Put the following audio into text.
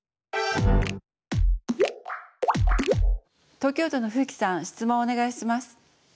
東京都のふうきさん質問をお願いします。